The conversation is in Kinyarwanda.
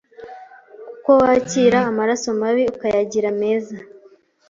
kuko wakira amaraso mabi ukayagira meza.